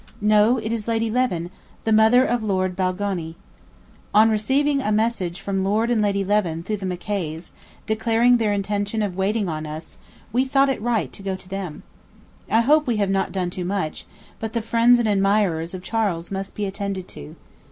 No: it is Lady Leven, the mother of Lord Balgonie. On receiving a message from Lord and Lady Leven through the Mackays, declaring their intention of waiting on us, we thought it right to go to them. I hope we have not done too much, but the friends and admirers of Charles must be attended to.